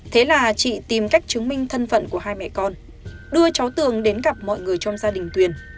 thế là chị tìm cách chứng minh thân phận của hai mẹ con đưa cháu tường đến gặp mọi người trong gia đình tuyền